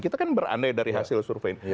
kita kan berandai dari hasil survei